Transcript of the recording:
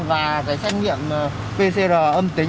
và cái xanh nghiệm pcr âm tính